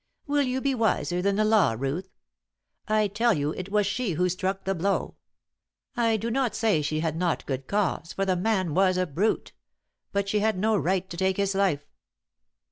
"Will you be wiser, than the law, Ruth? I tell you it was she who struck the blow. I do not say that she had not good cause, for the man was a brute. But she had no right to take his life!"